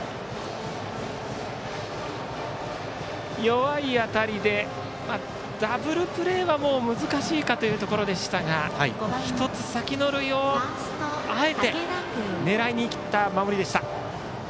弱い当たりでダブルプレーは難しいかというところでしたが１つ先の塁をあえて狙いに行った守りでした。